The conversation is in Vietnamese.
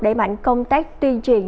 đẩy mạnh công tác tuyên truyền